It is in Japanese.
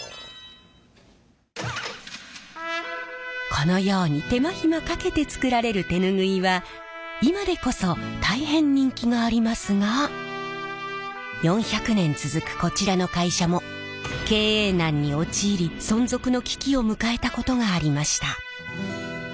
このように手間暇かけて作られる手ぬぐいは今でこそ大変人気がありますが４００年続くこちらの会社も経営難に陥り存続の危機を迎えたことがありました。